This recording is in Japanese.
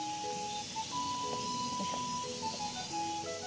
よいしょ。